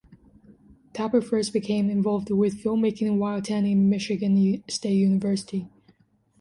Tapert first became involved with filmmaking while attending Michigan State University.